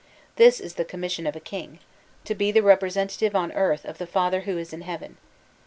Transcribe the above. This is the commission of a king to be the representative on earth of the Father who is in heaven.